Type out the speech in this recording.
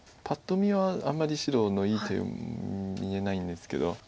パッと見はあんまり白のいい手見えないんですけど。